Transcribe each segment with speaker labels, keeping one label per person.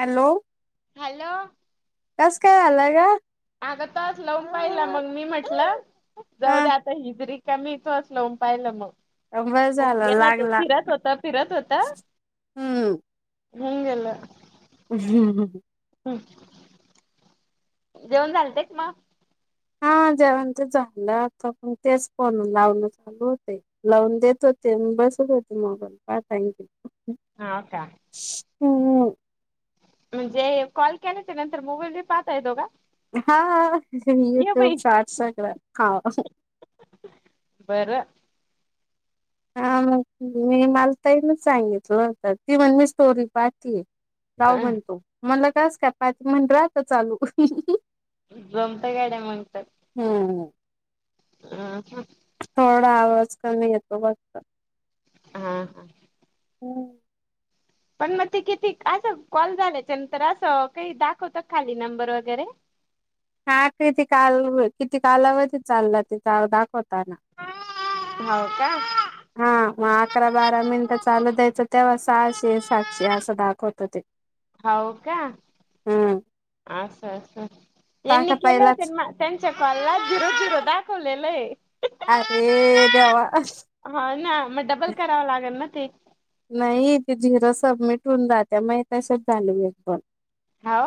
Speaker 1: Hello
Speaker 2: hello
Speaker 1: कस काय झालंय का
Speaker 2: अगं तच लवून पाहिला मग मी म्हटलं जाऊ
Speaker 1: हा
Speaker 2: द्या आता हिजरी कमी इथ असल पाहिलं
Speaker 1: बर
Speaker 2: मग
Speaker 1: झालं
Speaker 2: गेला ते
Speaker 1: लागला
Speaker 2: फिरत होता फिरत होता
Speaker 1: हम्म
Speaker 2: हंगेला
Speaker 1: ह हम ह
Speaker 2: हम् जेऊन झालतेच मग
Speaker 1: हा जेवण ते झालं आ पण तेच पण लावलं होते लावून देत होते बस होते मोबाल काय थँक्यू
Speaker 2: हा होता म्हणजे कॉल केला ते नंतर मोबाईल ब पाहताय दोघा
Speaker 1: हा युट्यूब शार्ट सगळं हा
Speaker 2: बरं
Speaker 1: हा मग मी मलताईन सांगितलं होत ती म्हण मी स्टोरी पाटली राव म्हणतो मला कास का पा म्हण राहत चालू
Speaker 2: जमता गाड्या म्हणतात
Speaker 1: हम्म
Speaker 2: ह
Speaker 1: थोडा आवाज करमी येतो फघत
Speaker 2: हा हा
Speaker 1: हम्
Speaker 2: पण मग ते किती असं कॉल झाल्याच्या नंतर असं काही दाखवतं खाली नंबर वगैरे
Speaker 1: हा किती काल किती काल हव त चाललं ति दाखवताना
Speaker 2: हो का
Speaker 1: हा मग अकरा बारा मिनटं चालू द्यायचं तेव्हा सहाशे सातशे असं दाखवत हो ते
Speaker 2: होव का
Speaker 1: हम्म
Speaker 2: आ स स यांनीनी
Speaker 1: टाका
Speaker 2: केले
Speaker 1: पहिलाच
Speaker 2: तनमा त्यांच्या कॉलला झिरो झिरो दाखवलेलं आहे
Speaker 1: अरे देवा
Speaker 2: हा ना मग डबल करावा लागेल ना ते
Speaker 1: नाही ते झिरो सबमिट होऊन जात माग तशच झाल एक पण
Speaker 2: हो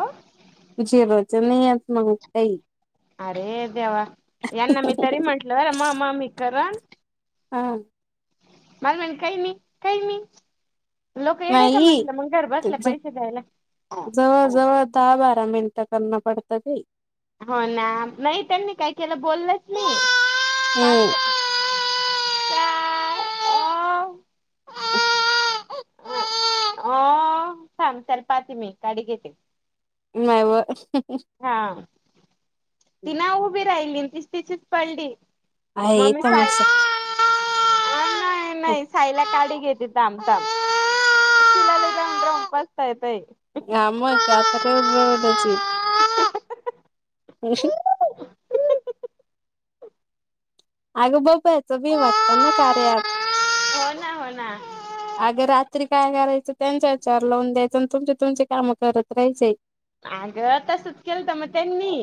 Speaker 1: झेरोच नाहीच मग काही
Speaker 2: अरे देवा यांना मी तरी म्हटलं म मा मी कर
Speaker 1: हां
Speaker 2: माल म्हणे काई नई काई नई. लोकं येडेय का
Speaker 1: नाही
Speaker 2: म्हटलं, मंग घर
Speaker 1: ते
Speaker 2: बसल्या पैसे द्यायला.
Speaker 1: जवळ जवळ दहा बारा मिनट करन पडत ते.
Speaker 2: हो ना नाही त्यांनी काय केलं बोललंच नाही.
Speaker 1: हम्म
Speaker 2: पाच [unintelligible]
Speaker 1: [inaudible]
Speaker 2: [unintelligible] पाहते मी काडी घेते.
Speaker 1: माय व.
Speaker 2: हा. ती ना उभी राहिली न तीच तिचीच पडली म
Speaker 1: आहे
Speaker 2: मी पाय
Speaker 1: तमाशा
Speaker 2: नाही नाही साईला काडी घेते थांब थांब. [unintelligible] सता येतय
Speaker 1: हा मग आता [unintelligible] [unintelligible]
Speaker 2: [unintelligible]
Speaker 1: आग बघ भया च बी हय वाटतं न अ कार्य ॲप,
Speaker 2: हो ना हो ना
Speaker 1: आग रात्री काय करायचं त्यांच्या याच्यावर लावून द्यायचं, अन तुमचे तुमचे काम करत राहायचे.
Speaker 2: आंग तसंच केलंत म त्यांनी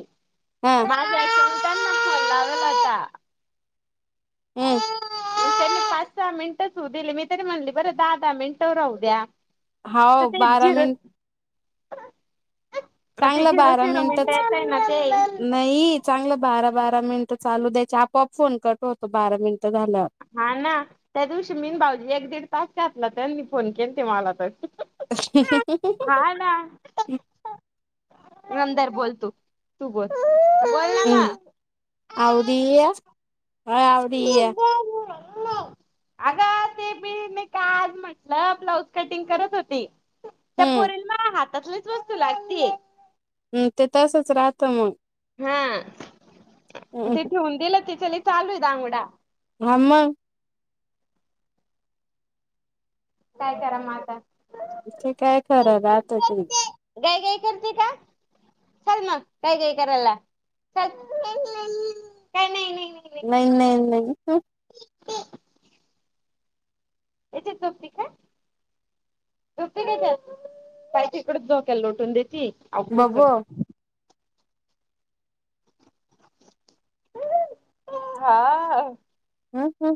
Speaker 1: हा
Speaker 2: मा
Speaker 1: हम्म
Speaker 2: त्यांनी पाच सहा मिनिटच होऊ दिले, मी तरी म्हणली बरं दहा दहा मिनिटं राहू द्या. तर
Speaker 1: हाव
Speaker 2: ते
Speaker 1: बारा
Speaker 2: झिरो
Speaker 1: मिन
Speaker 2: मग ते
Speaker 1: चांगलं
Speaker 2: झिरो
Speaker 1: बारा
Speaker 2: झिरो
Speaker 1: मिनिटच
Speaker 2: मिनिटाच आहे ना ते
Speaker 1: नई अ चांगलं बारा बारा मिनिटं चालू द्यायचे, आपोआप फोन कट होतो बारा मिनिटं झाल्यावार.
Speaker 2: हा ना त्या दिवशी मीन भाऊजी एक दीड तास घातला, त्यांनी फोन केलते मला त. हा ना. [unintelligible] दर बोलतू तू बोलन
Speaker 1: हम्म आवडी या आवडी या.
Speaker 2: आगं ते बी मी का आज म्हटलं ब्लाऊज कटिंग करत होती. त्या
Speaker 1: हम्म.
Speaker 2: पोरीला माझ्या हातातलीच वस्तू लागतीय.
Speaker 1: हम्म ते तसच राहतं मगं.
Speaker 2: हां ति ठेवून दिलं तिच लय चालूय दांडगा.
Speaker 1: हां मगं.
Speaker 2: काय करा मं आता?
Speaker 1: इथे काय खरं राहत ते.
Speaker 2: गाई गाई कर ते का? चल मंग गाई गाई कराला चल, काय नाई नाई.
Speaker 1: नाई नाई नाई ह
Speaker 2: एच्यात झोपती का? झोपते का ऐच्यात पाय तिकंड झोका लोटून देतीय आगूचर.
Speaker 1: बबो
Speaker 2: हा.
Speaker 1: हम्म ह.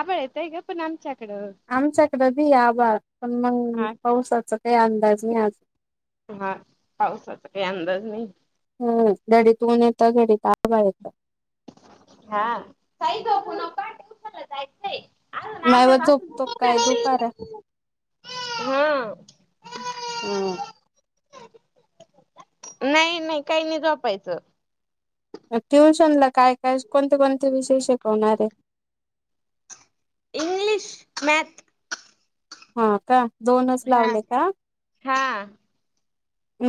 Speaker 2: आभळ येतय ग पण आमच्याकडं.
Speaker 1: आमच्याकडं बी हैय आभाळ, पणं मगं
Speaker 2: हा
Speaker 1: पावसाचा काई अंदाज नाही आज.
Speaker 2: हा पावसाचा काई अंदाज नाई.
Speaker 1: हम्म घडीत ऊन येतं घडीत आभाळ येतं.
Speaker 2: हां साई झोपु नको हां ट्यूशनला जायचंय. अजून
Speaker 1: माय
Speaker 2: अर्धा
Speaker 1: व
Speaker 2: तास
Speaker 1: झोप तो
Speaker 2: सुटणार
Speaker 1: काय दूपारा.
Speaker 2: नाही हा
Speaker 1: हम्म.
Speaker 2: नाही नाही काही नाही झोपायचं.
Speaker 1: ट्युशन ला काय काय कोणते कोणते विषय शिकवणारये.
Speaker 2: इंग्लिश, मॅथ
Speaker 1: हा का दोनच
Speaker 2: हा.
Speaker 1: लावले का?
Speaker 2: हा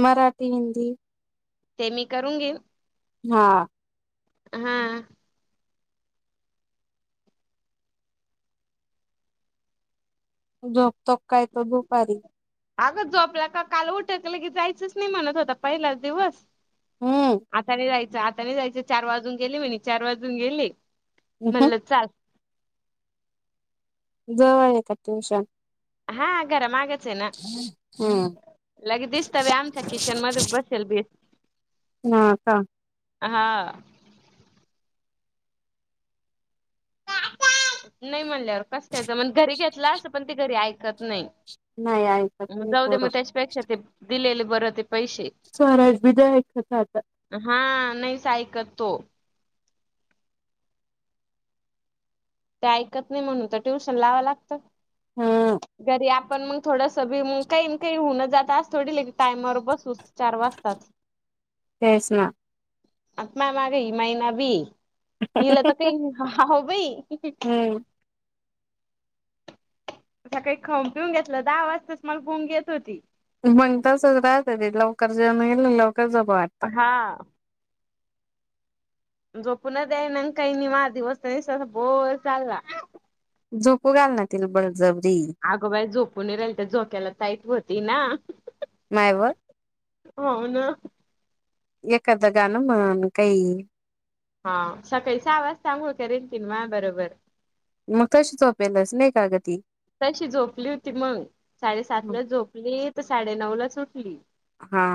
Speaker 1: मराठी, हिंदी
Speaker 2: ते मी करून घेईन.
Speaker 1: हा
Speaker 2: हा.
Speaker 1: झोपतो काय तो दुपारी
Speaker 2: अगं झोपला का काल उठ की लगेच जायचंच नाय म्हणत होता पहिलाच दिवस
Speaker 1: हम्म
Speaker 2: आता नाय जायचं आता नाय जायचं चार वाजून गेले म्हणे चार वाजून गेले.
Speaker 1: ह
Speaker 2: म्हणलं चाल
Speaker 1: जवळ आहे का ट्यूशन
Speaker 2: हा घरामागच हे ना
Speaker 1: हम्म
Speaker 2: लगे दिसत बय आमच्या किचन मध्ये बसेल बेस
Speaker 1: हा का?
Speaker 2: हा. नाही म्हणल्यावर कसयचं जमन घरी घेतला असंत पण ते घरी ऐकत नाही.
Speaker 1: नाही ऐकत नाही
Speaker 2: जाऊ दे
Speaker 1: पोरं
Speaker 2: मग त्याच्यापेक्षा ते दिलेले बरं ते पैसे
Speaker 1: स्वराज बी नाय ऐकत आता
Speaker 2: हा नाहीच ऐकत तो ते ऐकत नाय म्हणून तर ट्युशन लावा लागतं.
Speaker 1: हम्म
Speaker 2: घरी आपण मग थोडंसं बी मग काय काय होऊनं जात अस थोडी लगी टाईमवर बसू चार वाजतात.
Speaker 1: तेच ना
Speaker 2: आत माय माग ही मैना बी ये ईला त काय हाव बई
Speaker 1: हम्म
Speaker 2: सकाळी खावूनपिऊन घेतलं दहा वाजताच माझं फोन घेत होती.
Speaker 1: मंग तसच राहत ते लवकर जेवण केली लवकर झोपा वाटत
Speaker 2: हा. झोपूनच द्यायना आणि काय नी माआ दिवस तर असा बोर चालला.
Speaker 1: झोपू घाल ना तीला बळजबरी
Speaker 2: आगोबाई झोपून राहिल तर झोक्याला ताईत होती ना
Speaker 1: नायव
Speaker 2: हो ना
Speaker 1: एखादं गाणं म्हण काही
Speaker 2: हा सकाळी सहा वाजता आंघोळ करेली तिने माआ बरोबर
Speaker 1: मग कशी झोपेलच नाय का ग ती
Speaker 2: तशी झोपली होती मंग साडेसातला झोपली तर साडेनऊलाचं उठली.
Speaker 1: हा.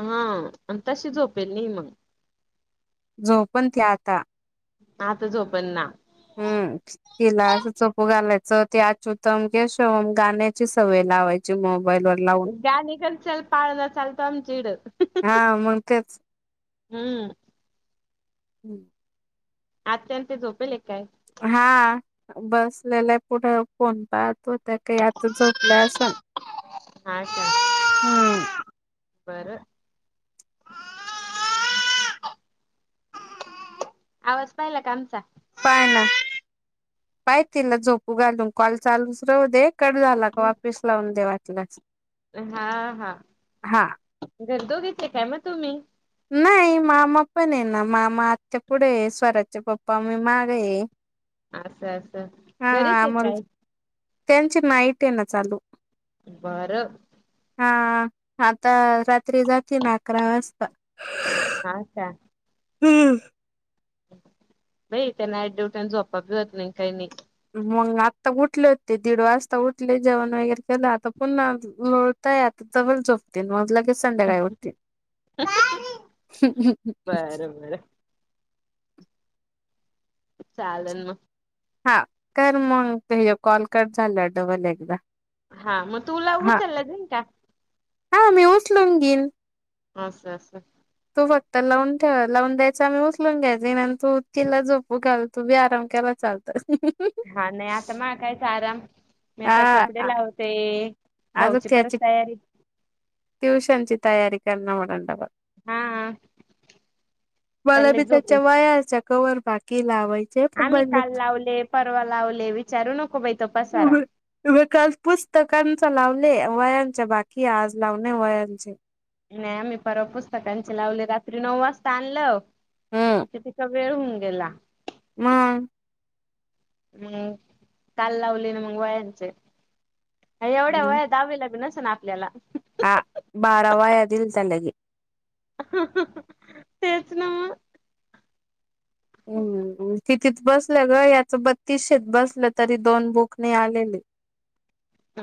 Speaker 2: हा आणि तशी झोपेल नाई मंग
Speaker 1: झोपणं ती आता
Speaker 2: आता झोपण ना
Speaker 1: हूं तिला अस चोपू घालायचं ती अच्युतम केशवम गाण्याची सवय लावायची मोबाईल वर लावं
Speaker 2: गाणी कण चल पाळणा चालतो आमच्या इड
Speaker 1: हा मग तेच
Speaker 2: हम्म
Speaker 1: हूं -
Speaker 2: आज त्यां ते झोपेल काय
Speaker 1: हा बसलेला पुढे फोन पाहत होत्या काही आतून झोपल्या असण
Speaker 2: हा का बर आवाज पाहिला का आमचा
Speaker 1: पाय ना पाय तिला झोपू घालून कॉल चालूच राहूदे कड झाला का वापिस लावून दे वाटलास
Speaker 2: हा हा गरदो घ्याचे काय म तुम्ही
Speaker 1: नाही मामा पण आहे ना मामा आत्ता पुढे स्वराजच्या पप्पा मी माग आहे
Speaker 2: असं असं
Speaker 1: हा
Speaker 2: गरेच आहे
Speaker 1: आम्हाला
Speaker 2: काय
Speaker 1: त्यांची नाईट ये ना चालू
Speaker 2: बरं
Speaker 1: हा आता रात्री जाते ना अकरा वाजता
Speaker 2: हा का
Speaker 1: हम्म
Speaker 2: नाहीई त्यांना [inaudible] न झोपा बी होत नाही काही नाही
Speaker 1: मग आत्ता उठले होते दीड वाजता उठले जेवण वगैरे केलं आता पुन्हा आतावल चो मज लगे संद्याकाळ उटते
Speaker 2: बरं बरं चालन
Speaker 1: हा कर मगज कॉल कट झाला डबल एकदा
Speaker 2: हा म उला
Speaker 1: हा
Speaker 2: ऊचल जं का
Speaker 1: हा मी उचलून घीन
Speaker 2: अस असं
Speaker 1: तू फक्त लावून ठेव लावून द्यायच आम्ही उचलून घ्यायच आणि तू तिला झोपू घाल तुम्ही आराम करा चालत
Speaker 2: हा नाही आता मगकायच आराम मी आता कपडे लावते
Speaker 1: अ
Speaker 2: भाऊची परत
Speaker 1: त्याची
Speaker 2: तयारी.
Speaker 1: ट्यूशनची तयारी करणार म्ह
Speaker 2: हा
Speaker 1: [inaudible] मला
Speaker 2: चालले
Speaker 1: बी
Speaker 2: झोपे.
Speaker 1: त्याच्या वायाचा कवर भाकी लावायचा
Speaker 2: आम्ही काल लावले परवा लावले विचारू नको बाै तो पसारा
Speaker 1: काल पुस्तकांच लावले वयांच्या बाकी आज लावणे वयांचे
Speaker 2: नाही आम्ही परव पुस्तकांचे लावली रात्री नऊ वाजता आणल तिचं वेळ होऊन गेला
Speaker 1: हम्म
Speaker 2: मग काल लावली ना मग वयांचे एवढ्या वया दहावी लग्नस ना आपल्याला
Speaker 1: ह बारावा दिल तडगे
Speaker 2: ह ह ह तेच ना
Speaker 1: हम्म कितीच बसलं ग याच बत्तीसशेत बसलं तरी दोन बुकणे आलेले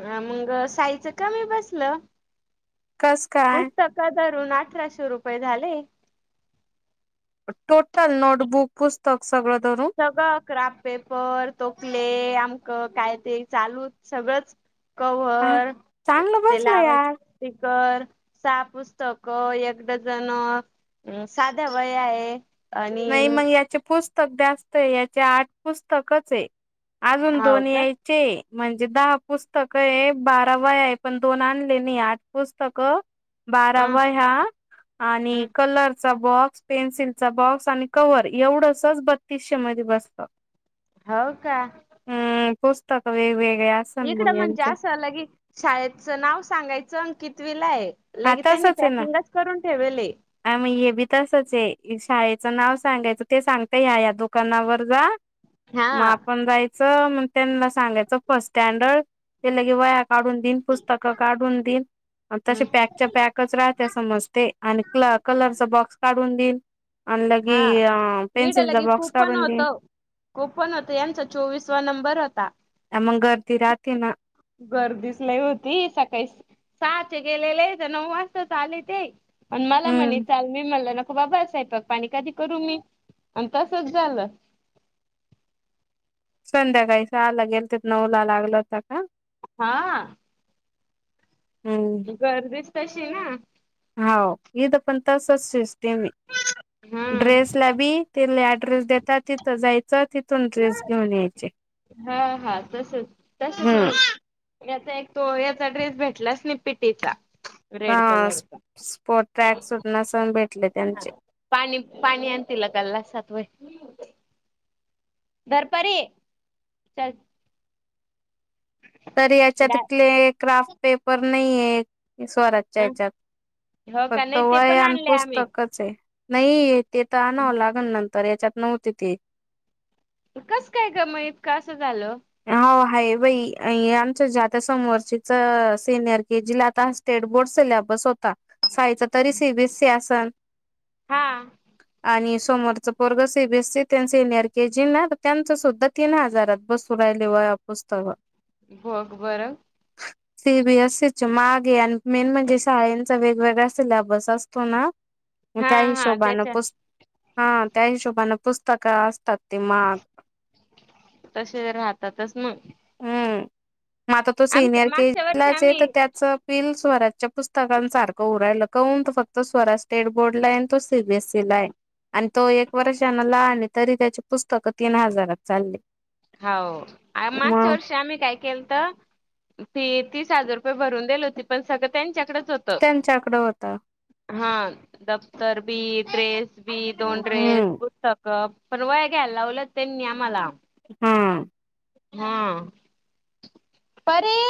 Speaker 2: ह मग साईच कमी बसलं
Speaker 1: कस काय
Speaker 2: पुस्तक का रुून अठराशे रुपये झाले
Speaker 1: टोटल नोटबुक पुस्तक सगळं धरून
Speaker 2: सगळं क्राफ्ट पेपर तोकले आमकं काय ते चालू सगळंच
Speaker 1: हा
Speaker 2: कव्हर
Speaker 1: चांगलं
Speaker 2: ते
Speaker 1: बसलं
Speaker 2: लावाज
Speaker 1: यार
Speaker 2: स्कर सहा पुस्तकं एक डझन हम साध्या वय आहे आणि
Speaker 1: नाही मग याचे पुस्तक जास्त आहे याचे आठ पुस्तकच आहे अजून
Speaker 2: हाव
Speaker 1: दोनही
Speaker 2: का
Speaker 1: या ते म्हणजे दहा पुस्तक, हे बारा वह्या हे, पण दोन आणले नही आठ पुस्तक.
Speaker 2: अ
Speaker 1: बारावा ह्या आणि कलरचा बॉक्स पेन्सिलचा बॉक्स आणि कव्हर एवढसच बत्तीसशे मध्ये बसत.
Speaker 2: हो का!
Speaker 1: हूं पुस्तक वेगवेगळ्या
Speaker 2: इकडं म्हणजे असं लगी शाळेचं नाव सांगायचं अन कितविलाय
Speaker 1: हा
Speaker 2: लगे त्यांनी पॅकिंगच करून ठेवलेय.
Speaker 1: अन हे बी तसच हे शाळेचं नाव सांगायचं ते सांगता ह्या ह्या दुकानावर जा
Speaker 2: हा
Speaker 1: म आपण जायचं म त्यांना सांगायचं फर्स्ट स्टँडर्ड ते लगे वह्या काढून दिन, पुस्तकं काढून दिन, न तसे पॅक पॅकच राहत्या समज ते, आणि कल कलरचा बॉक्स काढून देईल. अन
Speaker 2: हा
Speaker 1: लगी अ पेनसिल चा बॉक्स काढून दिन
Speaker 2: ओपन होते यांचा चोवीसवा नंबर होता.
Speaker 1: हा मंग गर्दी राहती ना
Speaker 2: गर्दीच लई होती सकाळीस सहाचे गेलेले तर नऊ वाजताच आले ते आण माला म्हणे
Speaker 1: हम्म
Speaker 2: चाल मी म्हनल नको बाबा सयपाक पाणी कधी करू मी आण तसच झालं.
Speaker 1: संध्याकाळी साला गेलते त नऊ ला लागल होता का?
Speaker 2: हा!
Speaker 1: हूं!
Speaker 2: गर्दीच तशी ना
Speaker 1: हो हित पण तसच सिस्टीम हे
Speaker 2: हा
Speaker 1: ड्रेस ला बी तेनी अड्रेस देता तिथं जायचं तिथून ड्रेस घेऊन यायचे
Speaker 2: हा हा तसच तसच
Speaker 1: हम्म
Speaker 2: मग याचा एक तो याचा ड्रेस भेटलाच नही पिटीचा
Speaker 1: हा
Speaker 2: रेड कलरचा
Speaker 1: स्पो स्पोट ट्रॅक सुट नसलं भेटले त्यांचे
Speaker 2: पाणी, पाणी आण तीला त्या लक्षात व्हयं धरपरी चल
Speaker 1: तर याच्या
Speaker 2: दा
Speaker 1: तीथले क्राफ्ट पेपर नहीये स्वरा
Speaker 2: अं हो का
Speaker 1: फक्त
Speaker 2: नाही ते पण
Speaker 1: वयान
Speaker 2: आणले आम्ही
Speaker 1: पुस्तक चय नही ते तर आणाव लागल, नंतर याच्यात नव्हते ते.
Speaker 2: कसं काय का म इतक असं झालं
Speaker 1: आ हो आहे बई अई आमच्या जे आता समोरचीच सिनियर के जी ला आता स्टेटबोर्ड सिल्याबस होता सायी चा तरी सीबीसी असन
Speaker 2: हा
Speaker 1: आणि सोमोरचं पोरग सीबीसी त ये न सिनियर के जी नां त त्यांच सुद्धा तीन हजारात बस सुरु रायले वया पुस्तक
Speaker 2: बग बरं!
Speaker 1: सीबीएससी चे मागे आणि मेन म्हणजे शाळेंचा वेगवेगळा सिल्याबस असतो ना म
Speaker 2: हा
Speaker 1: त्या
Speaker 2: हा
Speaker 1: हिशोबान
Speaker 2: त्याच्या
Speaker 1: पुस हा त्या हिशोबाने पुस्तकं असतात ते माग.
Speaker 2: तसे राहतातच मंग.
Speaker 1: म आता तो सिनियर
Speaker 2: मागच्या
Speaker 1: केजी
Speaker 2: वर्षी
Speaker 1: लाच आहे त
Speaker 2: आम्ही
Speaker 1: त्याच सिन स्वराजच्या पुस्तकांन सारखं होऊ राहील, कहूंन फक्त स्वराज स्टेट बोर्ड ला आहे, न तो सीबीएसई ला हे. आण तो एक वर्षान लहान आणले तरी त्याचे पुस्तकं तीन हजारात चालले.
Speaker 2: हाओ मागच्या वर्षी आम्ही काय केलं त? फी तीस हजार रुपये भरून देल होती पण सगळं त्यांच्याकडच हो
Speaker 1: त्यांच्याकडं होत.
Speaker 2: हा दफ्तर बी ड्रेस बी दोन ड्रेस
Speaker 1: हं,
Speaker 2: पुस्त पण वह्या घ्यायला लावलं त्यांनी आम्हाला.
Speaker 1: हा.
Speaker 2: हा परी.